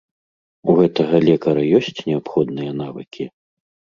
У гэтага лекара ёсць неабходныя навыкі?